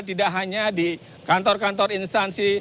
tidak hanya di kantor kantor instansi